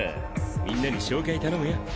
みんなに紹介頼むよ。